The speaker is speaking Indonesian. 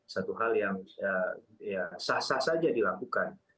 satu hal yang sah sah saja dilakukan